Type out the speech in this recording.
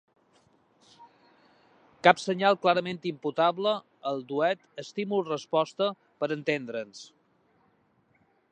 Cap senyal clarament imputable al duet estímul-resposta, per entendre'ns.